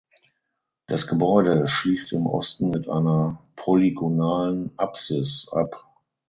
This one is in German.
Das Gebäude schließt im Osten mit einer polygonalen Apsis ab.